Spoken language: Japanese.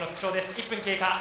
１分経過。